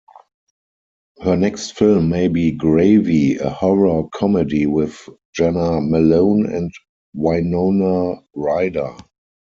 Her next film may be "Gravy", a horror-comedy with Jena Malone and Winona Ryder.